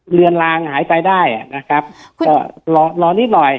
เอ่อเหลือนลางหายไปได้อ่ะนะครับคุณเอ่อรอรอนิดหน่อย